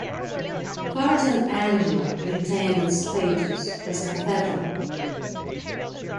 Guardian Angel retained its status as a cathedral.